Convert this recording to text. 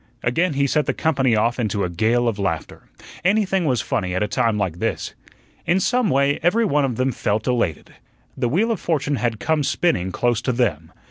Again he set the company off into a gale of laughter. Anything was funny at a time like this. In some way every one of them felt elated. The wheel of fortune had come spinning close to them.